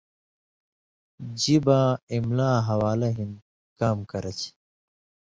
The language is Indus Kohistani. ژِباں املاں حوالہ ہِن کام کرہ چھی۔